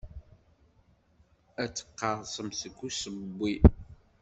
Ad teqqerṣemt seg usewwi.